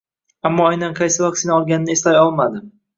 Ammo aynan qaysi vaksina olganini eslay olmadi